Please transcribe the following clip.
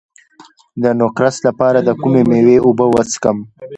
د نقرس لپاره د کومې میوې اوبه وڅښم؟